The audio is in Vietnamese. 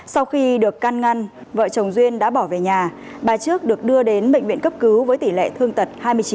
sau khi được can ngăn vợ chồng duyên đã bỏ về nhà bà trước được đưa đến bệnh viện cấp cứu với tỷ lệ thương tật hai mươi chín